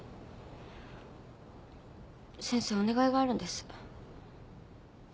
先生お願いがあるんです。